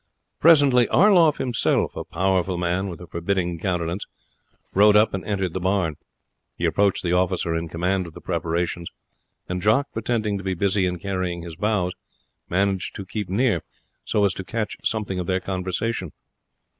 Presently Arlouf himself, a powerful man with a forbidding countenance, rode up and entered the barn. He approached the officer in command of the preparations; and Jock, pretending to be busy in carrying his boughs, managed to keep near so as to catch something of their conversation.